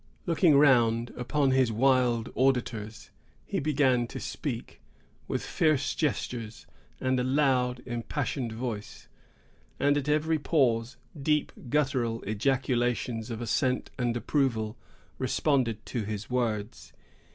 Looking round upon his wild auditors he began to speak, with fierce gesture, and a loud, impassioned voice; and at every pause, deep, guttural ejaculations of assent and approval responded to his words.